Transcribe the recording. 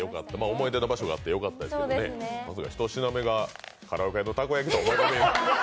思い出の場所があってよかったですけどね、一品目がカラオケ屋のたこ焼きとは思わない。